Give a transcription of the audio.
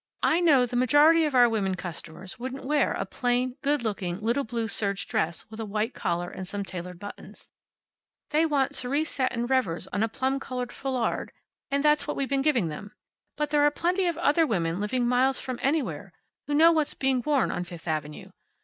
I know that the majority of our women customers wouldn't wear a plain, good looking little blue serge dress with a white collar, and some tailored buttons. They want cerise satin revers on a plum colored foulard, and that's what we've been giving them. But there are plenty of other women living miles from anywhere who know what's being worn on Fifth avenue.